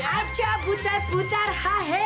aja butar butar ha hei